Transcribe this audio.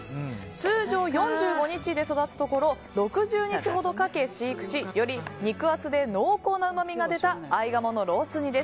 通常、４５日で育つところ６０日ほどかけて飼育し、より肉厚で濃厚なうまみが出た合鴨のロース煮です。